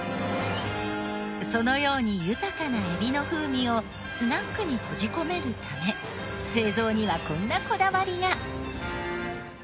そのように豊かなエビの風味をスナックに閉じ込めるため製造にはこんなこだわりが。